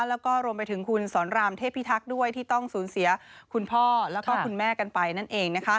แล้วก็รวมไปถึงคุณสอนรามเทพิทักษ์ด้วยที่ต้องสูญเสียคุณพ่อแล้วก็คุณแม่กันไปนั่นเอง